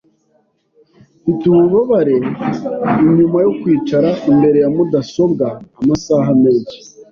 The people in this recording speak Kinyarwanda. Mfite ububabare inyuma yo kwicara imbere ya mudasobwa amasaha menshi.